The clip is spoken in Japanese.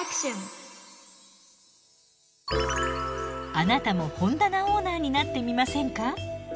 あなたも本棚オーナーになってみませんか？